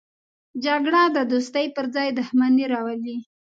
جګړه د دوستۍ پر ځای دښمني راولي